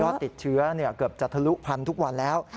ติดเชื้อเกือบจะทะลุพันธุ์ทุกวันแล้ว